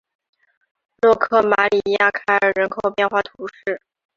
洛克马里亚凯尔人口变化图示